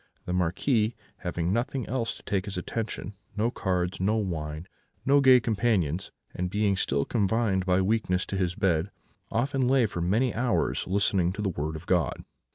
The Marquis, having nothing else to take his attention no cards, no wine, no gay companions and being still confined by weakness to his bed, often lay for many hours listening to the Word of God.